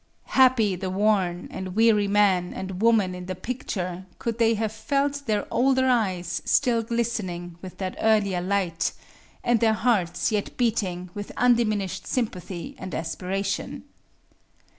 Happy the worn and weary man and woman in the picture could they have felt their older eyes still glistening with that earlier light, and their hearts yet beating with undiminished sympathy and aspiration.